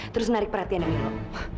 terus narik perhatiannya milo